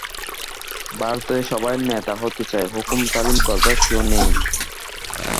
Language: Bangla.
ভারতে সবাই নেতা হতে চায়, হুকুম তালিম করবার কেউ নেই।